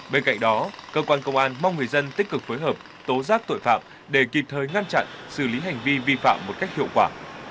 bên cạnh đó cơ quan công an mong người dân tích cực phối hợp tố giác tội phạm để kịp thời ngăn chặn xử lý hành vi vi phạm một cách hiệu quả